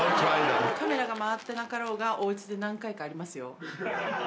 カメラが回ってなかろうが、おうちで何回かありますよ。